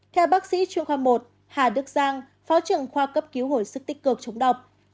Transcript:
theo bác sĩ chuyên khoa một hà đức giang phó trưởng khoa cấp cứu hồi sức tích cực chống độc